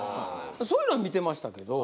そういうのは見てましたけど。